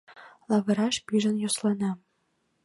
Лавыраш пижын йӧслана